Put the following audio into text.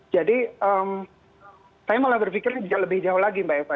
jadi saya malah berpikirnya bisa lebih jauh lagi mbak eva